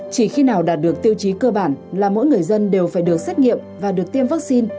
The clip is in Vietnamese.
chỉ khi nào đạt được tiêu chí cơ bản là mỗi người dân đều phải được xét nghiệm và được tiêm vaccine